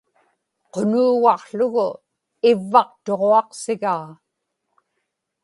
qunuugaqługu ivvaqtuġuaqsigaa